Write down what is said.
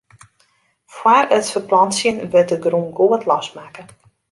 Fóár it ferplantsjen wurdt de grûn goed losmakke.